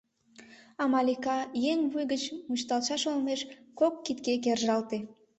А Малика, еҥ вуй гыч мучышталтшаш олмеш, кок кидге кержалте.